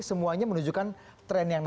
semuanya menunjukkan tren yang